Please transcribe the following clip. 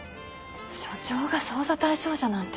署長が捜査対象者なんて。